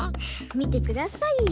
みてくださいよ。